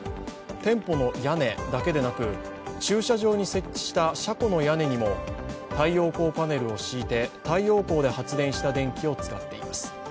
店舗の屋根だけでなく駐車場に設置した車庫の屋根にも太陽光パネルを敷いて太陽光で発電した電気を使っています。